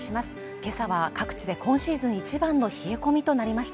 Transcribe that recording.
今朝は各地で今シーズン一番の冷え込みとなりました